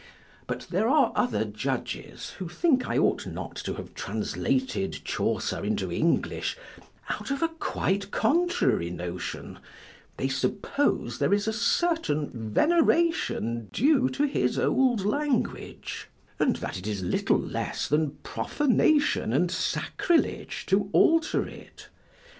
But there are other judges, who think I ought not to have translated Chaucer into English, out of a quite contrary notion: they suppose there is a certain veneration due to his old language; and that it is little less than profanation and sacrilege to alter it.